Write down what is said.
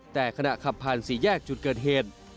แต่ขณะขับผ่านสี่แยกจุดเกิดเหตุ